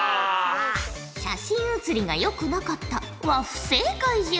「写真うつりがよくなかった」は不正解じゃ。